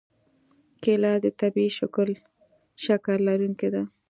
کېله د طبیعي شکر لرونکې ده.